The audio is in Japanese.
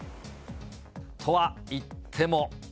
とはいっても。